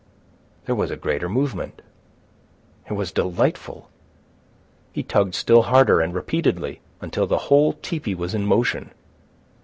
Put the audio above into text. There was a greater movement. It was delightful. He tugged still harder, and repeatedly, until the whole tepee was in motion.